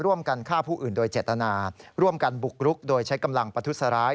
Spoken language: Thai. ร่วมกันฆ่าผู้อื่นโดยเจตนาร่วมกันบุกรุกโดยใช้กำลังประทุษร้าย